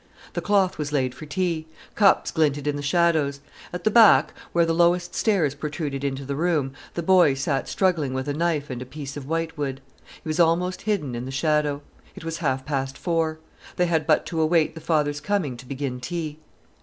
The cloth was laid for tea; cups glinted in the shadows. At the back, where the lowest stairs protruded into the room, the boy sat struggling with a knife and a piece of whitewood. He was almost hidden in the shadow. It was half past four. They had but to await the father's coming to begin tea.